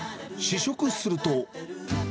試食すると。